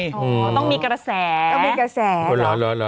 อ๋อต้องมีกระแสต้องมีกระแส